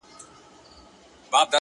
ما په يو څو ورځو کې څومره محبت کړى دى